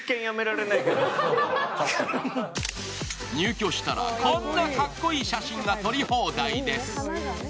入居したら、こんなかっこいい写真が撮り放題です。